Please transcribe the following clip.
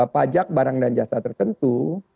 pajak barang dan jasa tertentu